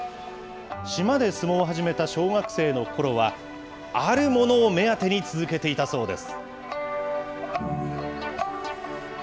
島で相撲を始めた小学生のころは、あるものを目当てに続けていたそうです。